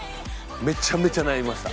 めちゃめちゃ悩みました。